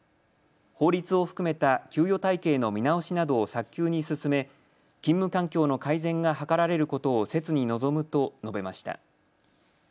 法律を含めた給与体系の見直しなどを早急に進め勤務環境の改善が図られることを切に望むと述べました。